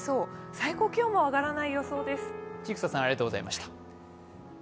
最高気温も上がらない予想です。